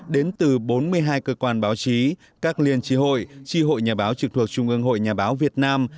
đến từ bốn mươi hai cơ quan báo chí các liên tri hội tri hội nhà báo trực thuộc trung ương hội nhà báo việt nam